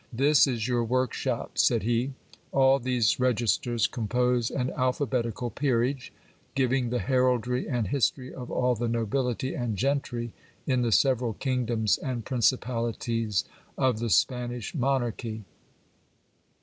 This is your workshop, said he. All these regis ters compose an alphabetical peerage, giving the heraldry and history of all the nobility and gentry in the several kingdoms and principalities of the Spanish monarchy.